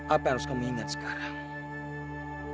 apa yang harus kami ingat sekarang